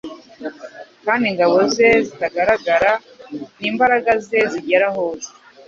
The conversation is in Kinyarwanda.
Kandi ingabo ze zitagaragara, n’imbaraga ze zigera hose,